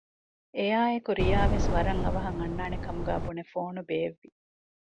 އެއާއެކު ރިޔާ ވެސް ވަރަށް އަވަހަށް އަންނާނެ ކަމުގައި ބުނެ ފޯނު ބޭއްވި